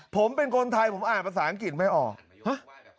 ผมเป็นคนไทยผมอ่านภาษาอังกฤษไม่ออกฮะ